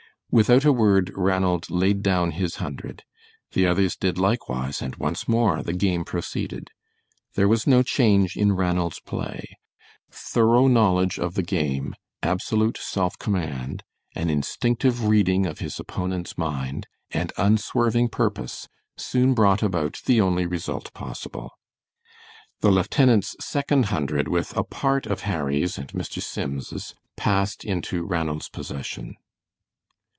Without a word Ranald laid down his hundred; the others did likewise, and once more the game proceeded. There was no change in Ranald's play. Thorough knowledge of the game, absolute self command, an instinctive reading of his opponent's mind, and unswerving purpose soon brought about the only result possible. The lieutenant's second hundred with a part of Harry's and Mr. Sims's passed into Ranald's possession.